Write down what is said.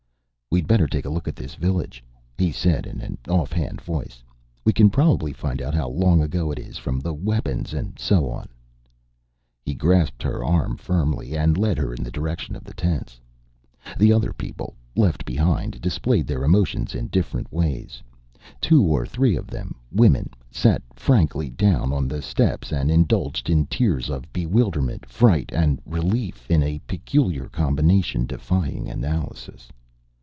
"We'd better take a look at this village," he said in an off hand voice. "We can probably find out how long ago it is from the weapons and so on." He grasped her arm firmly and led her in the direction of the tents. The other people, left behind, displayed their emotions in different ways. Two or three of them women sat frankly down on the steps and indulged in tears of bewilderment, fright and relief in a peculiar combination defying analysis.